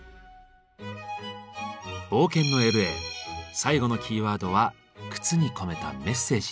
冒険のＬ．Ａ．最後のキーワードは「靴に込めたメッセージ」。